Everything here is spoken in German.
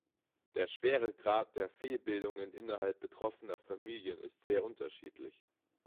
Der Schweregrad der Fehlbildungen innerhalb betroffener Familien ist sehr unterschiedlich.